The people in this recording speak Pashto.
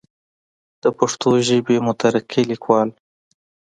دَ پښتو ژبې مترقي ليکوال